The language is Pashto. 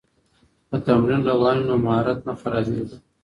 که تمرین روان وي نو مهارت نه خرابېږي.